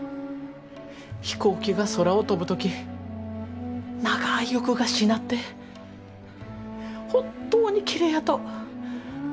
飛行機が空を飛ぶ時長い翼がしなって本当にきれいやと。